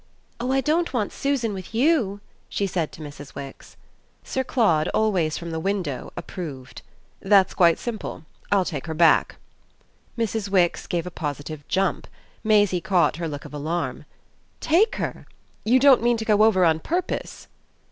"Oh I don't want Susan with YOU!" she said to Mrs. Wix. Sir Claude, always from the window, approved. "That's quite simple. I'll take her back." Mrs. Wix gave a positive jump; Maisie caught her look of alarm. "'Take' her? You don't mean to go over on purpose?"